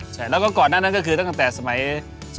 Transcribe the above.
ใช่แล้วก็ก่อนหน้านั้นก็คือตั้งแต่สมัยสมเร็จพระเจ้าตากศิลป์